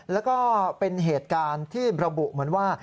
แล้วก็เป็นเหตุการณ์ที่ระบุเหมือนว่า